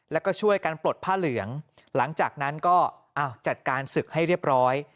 แล้วก็ช่วยกันปลดผ้าเหลืองหลังจากนั้นก็จัดการศึกให้เรียบร้อย